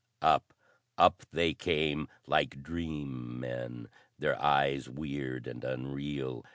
Up, up, they came, like dream men, their eyes weird and unreal.